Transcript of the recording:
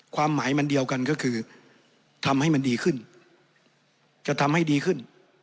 ความหมายมันเดียวกันก็คือทำให้มันดีขึ้นจะทำให้ดีขึ้น